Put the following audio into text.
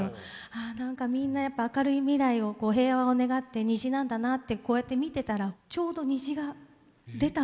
ああ何かみんなやっぱ明るい未来を平和を願って虹なんだなってこうやって見てたらちょうど虹が出たんですね